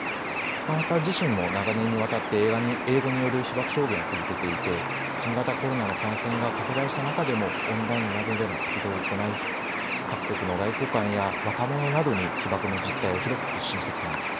また、自身も長年にわたって英語による被爆証言を続けていて、新型コロナの感染が拡大した中でもオンラインなどでの活動を行い、各国の外交官や若者などに被爆の実態を広く発信してきたんです。